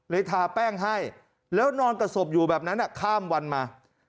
ทาแป้งให้แล้วนอนกับศพอยู่แบบนั้นข้ามวันมา